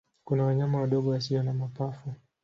Kuna wanyama wadogo wasio na mapafu.